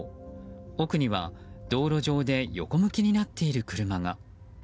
奥には、道路上で横向きになっている車が。